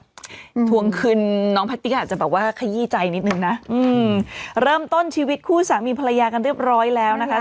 ทวงคืนน้องแพตตี้อาจจะแบบว่าขยี้ใจนิดนึงนะอืมเริ่มต้นชีวิตคู่สามีภรรยากันเรียบร้อยแล้วนะคะ